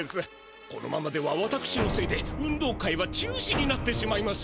このままではわたくしのせいで運動会は中止になってしまいます！